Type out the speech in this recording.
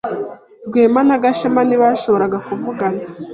Rwema na Gashema ntibashoboraga kuvugana